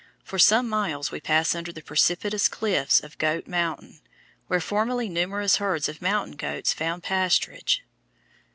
For some miles we pass under the precipitous cliffs of Goat Mountain, where formerly numerous herds of mountain goats found pasturage.